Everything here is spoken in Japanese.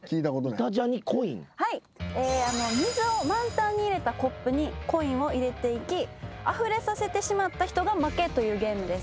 水を満タンに入れたコップにコインを入れていきあふれさせてしまった人が負けというゲームです。